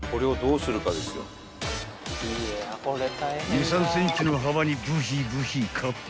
［２３ｃｍの幅にブヒブヒカット］